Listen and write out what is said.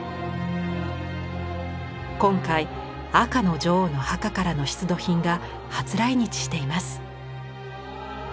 今回赤の女王の墓からの出土品が初来日しています。